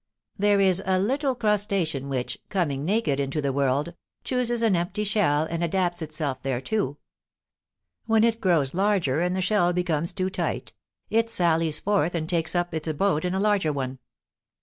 There is a little crustacean which, coming naked into the world, chooses an empty shell and adapts itself thereto; when it grows larger and the shell becomes too tight, it sallies forth and takes up its abode in a larger one.